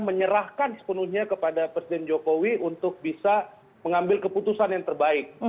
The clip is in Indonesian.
menyerahkan sepenuhnya kepada presiden jokowi untuk bisa mengambil keputusan yang terbaik